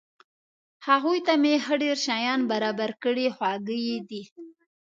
هغوی ته مې ښه ډېر شیان برابر کړي، خواږه یې دي.